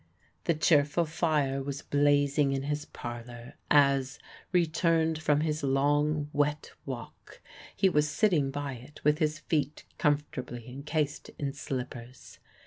The cheerful fire was blazing in his parlor, as, returned from his long, wet walk, he was sitting by it with his feet comfortably incased in slippers.